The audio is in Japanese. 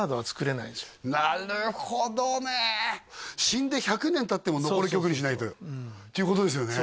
なるほどね死んで１００年たっても残る曲にしないとっていうことですよね